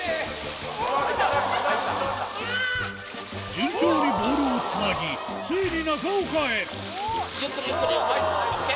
順調にボールをつなぎついに中岡へゆっくりゆっくりゆっくりＯＫ？